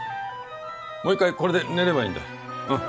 もう一回これで寝ればいいんだ。